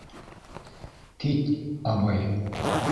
Кит... абый...